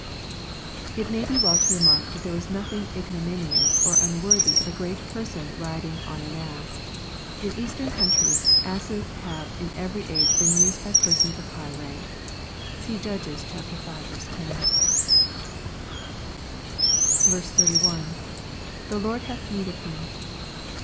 It may be well to remark that there was nothing ignominious or unworthy of a great person in riding on an ass. In eastern countries asses have in every age been used by persons of higa rank. (See Judges v. 10.) 31. — [The Lord hath need of him.